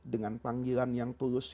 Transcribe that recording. dengan panggilan yang tulus